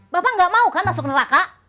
bapak nggak mau kan masuk neraka